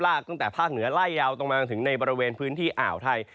ตั้งแต่ภาคเหนือไล่ยาวตรงมาถึงในบริเวณพื้นที่อ่าวไทย